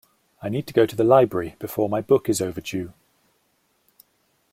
I need to go to the library before my book is overdue.